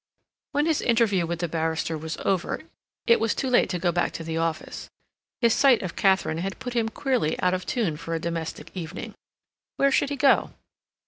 When his interview with the barrister was over, it was too late to go back to the office. His sight of Katharine had put him queerly out of tune for a domestic evening. Where should he go?